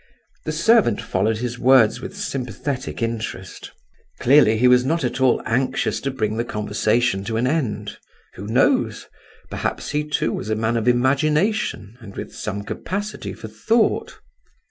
The servant followed his words with sympathetic interest. Clearly he was not at all anxious to bring the conversation to an end. Who knows? Perhaps he too was a man of imagination and with some capacity for thought.